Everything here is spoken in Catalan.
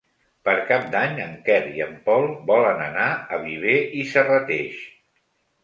Per Cap d'Any en Quer i en Pol volen anar a Viver i Serrateix.